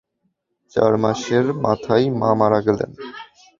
চারমাসের মাথায় মা মারা গেলেন।